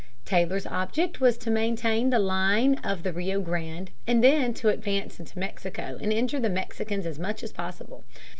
Taylor's object was to maintain the line of the Rio Grande, then to advance into Mexico and injure the Mexicans as much as possible.